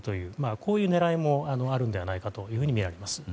こういう狙いもあるのではないかとみられます。